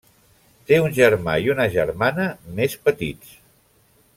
Té un germà i una germana més petits.